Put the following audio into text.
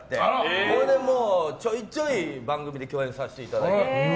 それで、ちょいちょい番組で共演させていただいて。